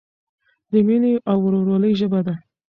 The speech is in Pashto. د مینې او ورورولۍ ژبه ده.